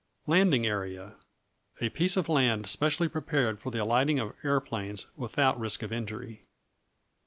Landing Area A piece of land specially prepared for the alighting of aeroplanes without risk of injury.